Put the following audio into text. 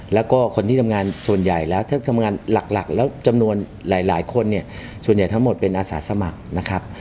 แล้วก็คนที่ทำงานส่วนใหญ่แล้วถ้าทำงานหลักแล้วจำนวนหลายคนเนี่ยส่วนใหญ่ทั้งหมดเป็นอาสาสมัครนะครับ